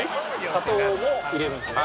砂糖も入れるんですね。